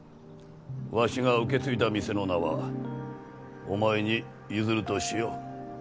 わしが受け継いだ店の名はお前に譲るとしよう。